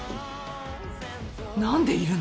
何でいるの？